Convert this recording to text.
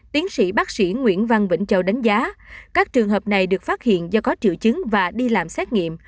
tiến sĩ bác sĩ nguyễn văn vĩnh châu đánh giá các trường hợp này được phát hiện do có triệu chứng và đi làm xét nghiệm